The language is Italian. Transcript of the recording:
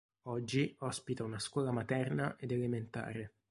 Oggi ospita una scuola materna ed elementare.